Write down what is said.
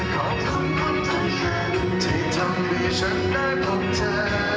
ขอบคุณคนสำคัญที่ทำให้ฉันได้พบเธอ